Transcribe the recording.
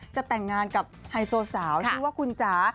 จะแต่งงานกับไฮโซสาวชื่อว่าคุณจ๋า